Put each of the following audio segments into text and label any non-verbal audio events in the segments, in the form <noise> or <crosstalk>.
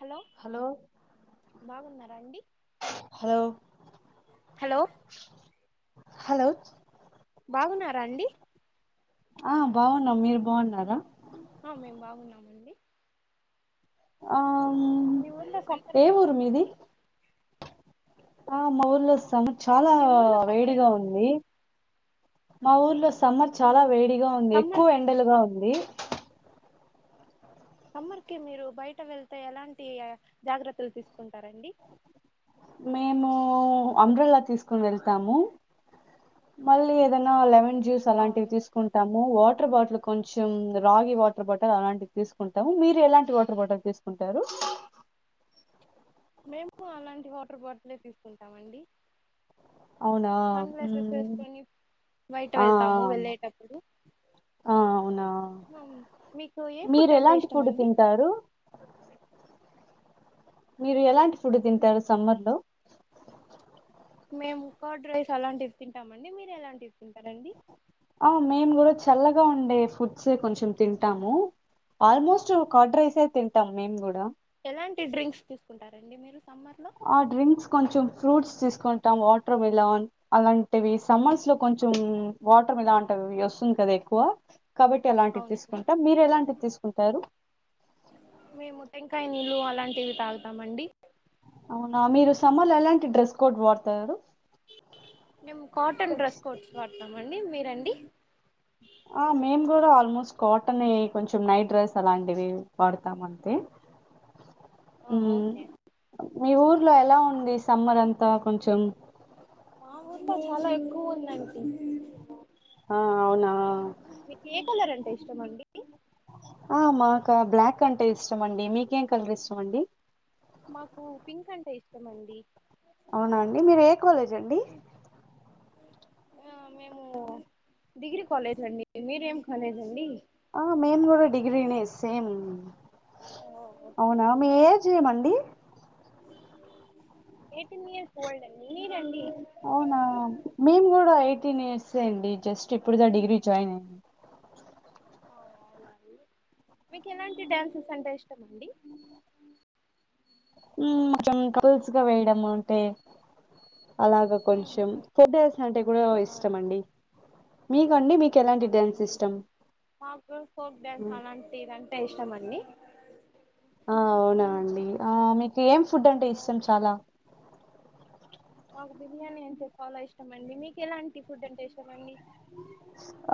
Hello బాగున్నార అండి hello hello hello బాగున్నారా అండి ఆ బాగున్నాం మీరు బాగున్నారా ఆ మేము బాగున్నామండి ఆ మీ ఊర్లో సమ్మర్ ఏ ఎలా ఊరు మీది ఉందండి ఆ మా ఊళ్ర్లో చాన చాలా మీ ఊర్లో సమ్మర్ వేడిగా ఎలా ఉంది మా ఊర్లో సమ్మర్ చాల ఉంది వేడిగా ఉంది సమ్మర్ ఎక్కువ ఎండలుగా ఉంది సమ్మర్ కి మీరు బయట వెళ్తే ఎలాంటి జాగ్రత్తలు తీసుకుంటారండి మేము అమ్బ్రెల తీసుకుని వెళ్తాము మళ్ళీ ఏదైనా లెమన్ జ్యూస్ అలాంటివి అవును తీసుకుంటాం వాటర్ బాటిల్ కొంచెం రాగి వాటర్ బాటిల్ అలాంటివి తీసుకుంటాము మీరు ఎలాంటి వాటర్ బాటిల్ తీసుకు కుంటారు అ మేము అలాంటి వాటర్ బాటిలే తీసుకుంటాం అండి అవునా సన్ గ్లాసెస్ మ్మ్. వేసుకొని బయట ఆ వెళ్తాము వెళ్ళేటప్పుడు ఆ అవునా మీకు ఏ ఫుడ్ మీరు అంటే ఎలాంటి ఇష్టం ఫుడ్ అండి తింటారు మీరు ఎలాంటి ఫుడ్ తింటారు సమ్మర్ లో మేము కర్డ్ రైస్ అలాంటివి తింటామ అండి మీరు ఎలాంటివి తింటారండి ఆ మేము కూడ చల్లగా ఉండే ఫుడ్స్యే కొంచెం తింటాము ఆల్మోస్ట్ కడ్ రైసే తింటాం మేమ్ కూడ ఎలాంటి డ్రింక్స్ తీసుకుంటారండి మీరు సమ్మర్ లో ఆ డ్రింక్స్ కొంచెం ఫ్రూట్స్ తీసుకుంటాం వాటర్ మిలాన్ అలాం టివి సమ్మర్స్ లో కొంచెం వాటర్ ఇల ఉంటవి వస్తుంది కదా ఎక్కువ కాబట్టి అలాంటివి అవునండి తీసుకుంటామ్ మీరు ఎలాంటివి తీసుకుంటారు నీళ్లు అలాంటివి తాగుతాం అండి అవునా మీరు సమ్మర్ లో ఎలాంటి డ్రెస్ కోడ్ వాడతారు మేము కాటన్ డ్రెస్ కోడ్స్ వాడతామండి మీరండి ఆ మేము కూడ ఆల్మోస్ట్ కాటన్ కొంచెం నైట్ డ్రెస్ అలాంటివి వాడతాం అంతే అ ఆ మ్మ్. ఓకే మీ ఊర్లో ఎలా ఉంది సమ్మర్ అంతా కొంచెం ఇంత చాల ఎక్కువ ఉందంటి ఆ అవునా ఇష్టమండి మాక బ్లాక్ అంటే ఇష్టమండి మీకేం కలర్ ఇష్టమండి మాకు పింక్ అంటే ఇష్టం అండి అవునాండి మీరు ఏ కాలేజ్ అండి ఆ మేము డిగ్రీ కాలేజీ అండి మీరేం కాలేజ్ అండి ఆ మేన్ కూడ డిగ్రినే సేమ్ ఓ ఓకే అవునా అండి మీ ఏజ్ ఏమండి ఎయిటీన్ ఇయర్స్ ఓల్డ్ అండి అవునా మేము కూడ ఎయిటీన్ ఇయర్స్సే అండి జస్ట్ ఇప్పుడుద డిగ్రీ జాయిన్ అయిన ఆ అవునండి మీకు ఎలాంటి డ్యాన్సెస్ అంటే ఇష్టం అండి హ్మ్ <unintelligible> వేయడం అంటే అలాగా కొంచెం ట్రెడిషన్ అంటే కూడా ఇష్టం అండి మీకండి మీకు ఎలాంటి అవునా డ్యాన్స్ అండి ఇష్టం మాకు ఫోక్ మ్మ్ డ్యాన్స్ అలాంటిదంటే ఇష్టమండి ఆ అవునా అండి ఆ మీకు ఏం ఫుడ్ అంటే ఇష్టం చాలా మాకు బిర్యానీ అంటే చాలా ఇష్టం అండి మీకు ఎలాంటి ఫుడ్ అంటే ఇష్టం అండి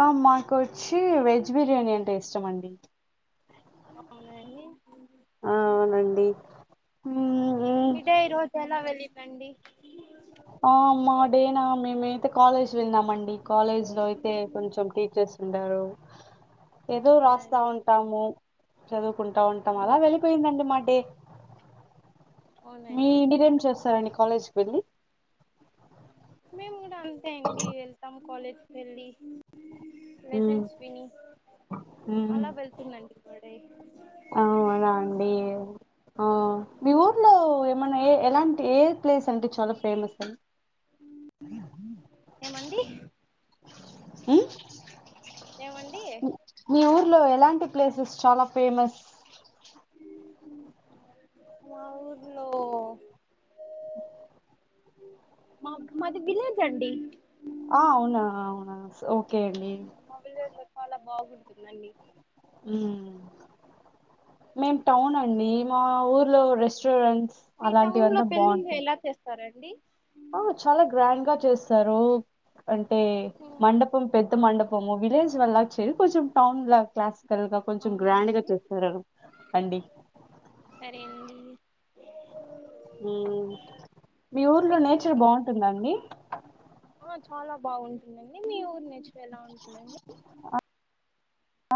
ఆ మాకొచ్చి వెజ్ బిర్యానీ అంటే ఇష్టం అండి అవునా అండి ఆ, అవునండి మ్మ్, మ్మ్. మీ డే ఈ రోజు ఎలా వెళ్ళిందండి ఆ మా డేనా మేమైతే కాలేజీ వెళ్ళినమండి కాలేజ్ లో అయితే కొంచెం టీచర్స్ ఉండరు ఏదో రాస్తా అవునండి ఉంటాము చదువుకుంటా ఉంటాము అవును అలా వెళ్ళిపోయిందండి మా డే అవునండి మీరేం చేస్తారండి కాలేజీకి వెళ్ళి మేము కూడా అంతే అండి వెళ్తాం కాలేజ్కి వెళ్ళి ఉమ్ లెసెన్స్ విని ఉమ్ అలా వెళ్తుందండి ఇంక డే అవునా అండి ఆ మీ ఊర్లో ఏమైన్నా ఏ ఎలాంటి ఏ ప్లేస్ అంటే చాలా ఫేమస్ అండి ఏమండి మ్మ్? ఏవండి మీ ఊర్లో ఎలాంటి ప్లేసెస్ చాలా ఫేమస్ మా ఊర్లో మా మాది విలేజండి ఆ అవునా అవునా ఓకే అండి మా విలేజ్ లో చాలా బాగుంటుంది అండి మ్మ్ మేం టౌన్ అండి మా ఊర్లో రెస్టోరెంట్ మీ టౌన్ లో పెళ్ళిళ్ళు ఎలా చేస్తారండి ఆ చాలా గ్రాండ్ గా చేస్తారు అంటే మండపం పెద్ద ఆ మండపము విలేజ్ వాల్లా చేయరు కొంచెం టౌన్ లా క్లాస్ క్కల్గా కొంచెం అవునా గ్రాండ్ గా అండి చేస్తారు అండి అ మీ ఊర్లో మీకు నేచర్ బాగుంటుందా అండి ఆ చాలా బాగుంటుందండి మీ ఊరి నేచర్ ఎలా ఉంటుందండి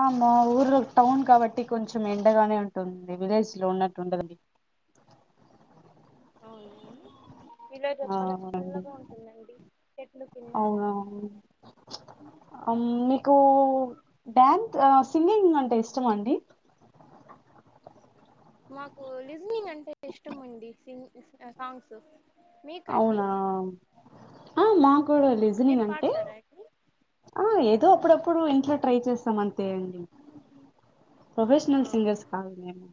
ఆ మా ఊర్లో టౌన్ కాబట్టి కొంచెం ఎండగానే ఉంటుంది విలేజ్ లో ఉన్నట్టు ఉండదండి అవునా అండి విలేజ్లో ఆ చాలా అవునండి చాల్లగా ఉంటుందండి చెట్లు కింద అవునా మీకు డ్యాన్స్ సింగింగ్ అంటే ఇష్టమా అండి మాకు లిజనింగ్ అంటే ఇష్టం అండి సింగ్ సాంగ్స్ మీకండి అవునా ఆ మా కూడా మీరు లిజనింగ్ అంటే పాడతారా అండి ఆ ఏదో అప్పుడప్పుడు ఇంట్లో ట్రై చేస్తాం అంతే అండి ఆ ప్రొఫెషనల్ సింగర్స్ కాదులేండి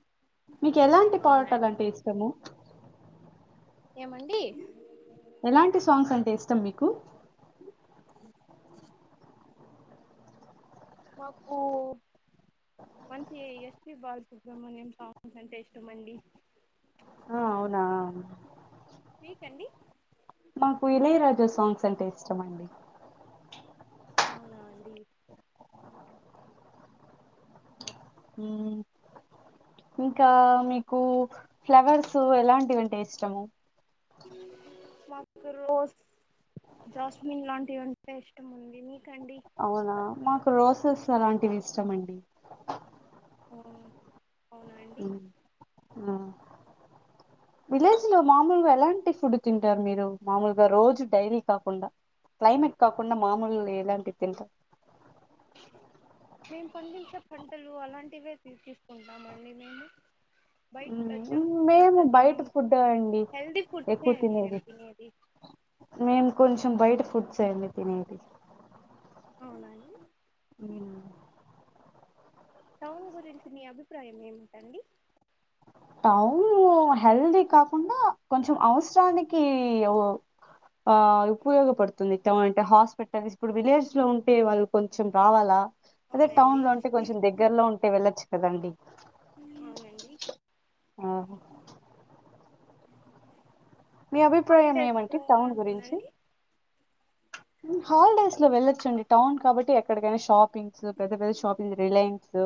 మీకు ఎలాంటి అవునండి పాటలంటే ఇష్టము ఏమండి ఎలాంటి సాంగ్స్ అంటే ఇష్టం మీకు మాకు మంచిగ S P Bala Subrahmanyam songs అంటే ఇష్టం అండి ఆ అవునా మీకండి నాకు ఇళయ రాజ సాంగ్స్ అంటే ఇష్టం అండి అవునా అండి ఉమ్ ఇంకా మీకు ఫ్లవర్స్ ఎలాంటివి అంటే ఇష్టము మాకు రోస్ జాస్మిన్ లాంటివి అంటే ఇష్టం ఉంది మీ అవునా మాకు రోసెస్ అలాంటివి ఇష్టమండి ఉ అవ్ ఉమ్ ఆ విలేజ్ లో మామూలుగా ఎలాంటి ఫుడ్ తింటారు మీరు మామూలుగా రోజు డైరీ కాకుండా క్లైమేట్ కాకుండా మామూలు ఎలాంటివి తింట అ మేము పండించే పంటలు అలాంటివే తీసు తీసుకుంటామ అండి మేము బై జన్క్ఫూడ్స్ అంత మేము బయట తినం ఫుడ్ అండి హెల్తీ ఫుడ్స్ ఏ అండి మేం తినేది మేము కొంచెం బయట ఫుడ్స్ ఏ అన్ డి తినేది అవున అండి అ టౌన్ గురించి మీ అభిప్రాయం ఏమిటండి టౌన్ హెల్దీ కాకుండా కొంచెం అవసరానికి ఆ ఉపయోగపడుతుంది ఇ అంటే హాస్పిటల్స్ ఇప్పుడు విలేజ్ లో ఉంటే వాళ్ళు కొంచెం రావాలా అదే టౌన్ అవునండి లో ఉంటే కొంచెం దగ్గరలో ఉంటే వెళ్లచ్చు కదండి అవునండి ఆ మీ అభిప్రాయం ఏమంటే హాలిడేస్లో ఎలా టౌన్ గురించి ఉంటుందండి హాలిడేస్ లో వెళ్ళొచ్చండి టౌన్ కాబట్టి ఎక్కడికైనా షాప్ షాపింగ్స్ పెద్ద పెద్ద షాపింగ్స్ రిలయన్స్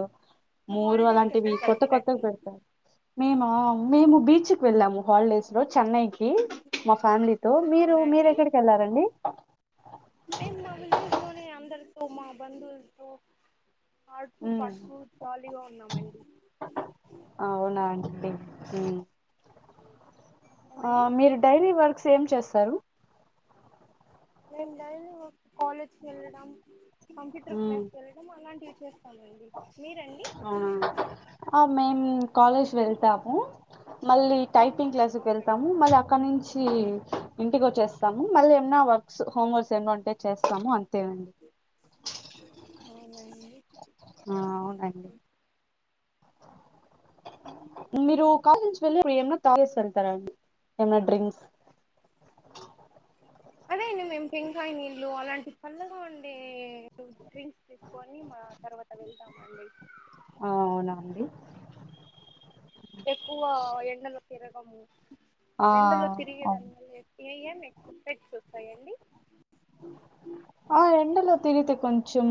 మీరు మోరు హాలిడేస్కి అలాంటివి ఎక్కడికి కొత్త కొత్తగా వెళ్తారండి పెడతాారు మేము మేము బీచ్ వెళ్ళాము హాలిడేస్ లో చెన్నైకిి మా ఫ్యామిలీతో మీరు మీరేక్కడికి వెళ్లారండి మేం మా విలేజ్ లోనే అందరితో మా బంధువులతో ఆడుతూ ఉమ్, పాడుతూ జాలీగా ఉన్నామండి అవునా అండి ఉమ్ ఆ ఏమండి మీరు డైరీ వర్క్స్ ఏం చేస్తారు మేం డైలీ కాలేజ్ కి వెళ్ళడం కంప్యూటర్ ఉమ్. క్లాస్ వెళ్ళడం అలాంటివి చేస్తామండి మీరండి అవునా ఆ మేం కాలేజ్ వెళతాము మళ్ళీ టైపింగ్ క్లాసుకి అవునండి వెళ్తాము మల్లి అక్కడి నుంచి ఇంటికి వచ్చేస్తాము మళ్ళీ ఏమనా వర్క్స్ హోం వర్క్స్ ఏమన్నా ఉంటే చేస్తాము అంతే అండి అవునాండి ఆ అవునండి మీరు కాలేజ్ వెల్లేప్ డు ఏమనా తాగేసి వెళ్తారాండి ఏమనా డ్రింక్స్ అదేండి మేము పెంకాయ నీళ్ళు అలాంటి చల్లగా ఉండే ఫ్రూ డ్రింక్స్ తీసుకొని మా తర్వాత వెళ్తామండి ఆ అవునా అండి ఎక్కువ ఎండలో తిరగము ఆ ఎండలో అవును తిరిగేదాని వల్ల ఏ్య ఎన్ ఏక్స్ సెట్స్ వస్తాయండి ఆ ఎండలో తిరిగితే కొంచెం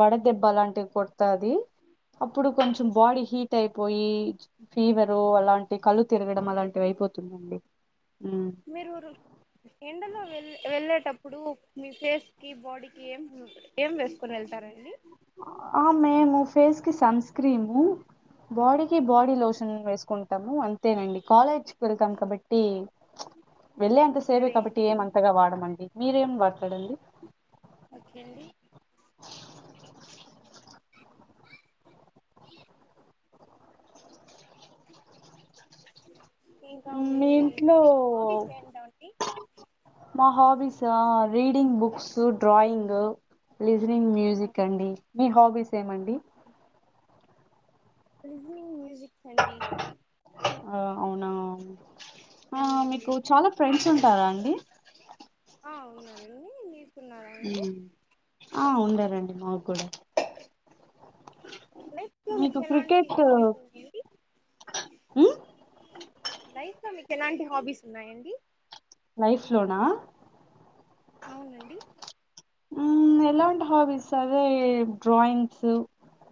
వడదెబ్బ అ లాంటివి కొడతది అప్పుడు కొంచెం బాడీ హీట్ అయిపోయి ఫీవరు అలాంటి కళ్ళు తిరగడం అవునా అలాంటివి అండి అయిపోతుందండి మీరు ఎండలో వెళ్ వెళ్ళేటప్పుడు మీ ఫేస్కిి బాడీకి ఏం ఏం వేసుకొని వెళ్తారండి ఆ మేము ఫేస్ కి సన్ స్క్రీము బాడీకీ బాడీ లోషన్ వేస్కుం టాము అంతేనండి కాలేజ్ కి వెళ్తాం కాబట్టి ప్చ్ వెళ్లేే అంత సేపే సరే కాబట్టి అండి ఏమంతగా వాడమండి మీరేం వాడతారండి ఓకే అండి ఇంకా మీ హాబీస్ ఏంటండి మా హాబీసా reading books drawing listening music అండి మీ హాబీస్ ఏమండి లిజనింగ్ మ్యూజిక్ ఆ అవునా ఆ అవునండి మీకు చాలా ఫ్రెండ్స్ ఉం టారా అండి ఆ ఉన్నారండి మీర్ ఉమ్ ఆ ఉండారండి మాక్కూడా <unintelligible> లైఫ్ లో మీకు ఎలాంటి హాబీస్ ఉన్నాయండి లైఫ్ లోనా అవునండి ఉమ్మ్ ఎలాంటి హాబీస్ అదే డ్రాయింగ్స్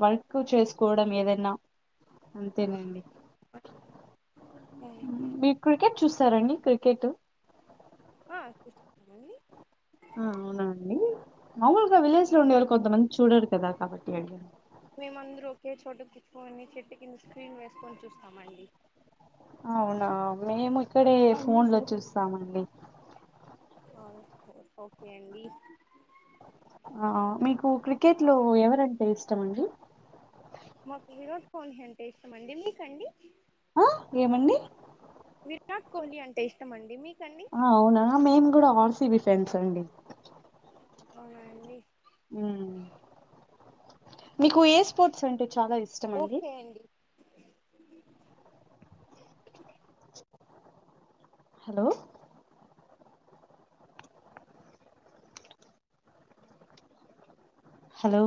వర్క్ చేసుకోవడం ఏదైనా అంతేనండి ఓకే. మ్మ్ మీరు క్రికెట్ చూస్తారా అండి క్రికెటు ఆ చూస్తాన్ ఆ అవునాండి మామూలుగా ఉమ్, విలేజ్ లో ఉండే వాళ్లు అవునండి కొంతమంది చూడరు కదా కాబట్టి అడిగాను మేమందరూ ఒకే చోట కూచ్చొని చెట్టు కింద స్క్రీన్ వేసుకొని చూస్తామండి అవునా మేము ఇక్కడే ఫోన్ లో చూస్తామండి అవున్ ఓ ఓకే అండి ఆ మీకు క్రికెట్ ఇంకా లో ఎవరంటే ఇష్టం అండి మాకు విరాట్ కోహ్లీ అంటే ఇష్టమండి మీకండి ఆ ఏమండి విరాట్ కోహ్లీ అంటే ఇష్టమండి మీ ఆ అవునా మేము కూడా ఆర్ సి బి ఫ్రెండ్స్ అండి అవునా అండి ఉమ్ మీకు ఏ స్పోర్ట్స్ అంటే చాలా ఇష్టం అండి హలో హలో